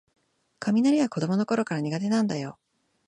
雷は子どものころから苦手なんだよ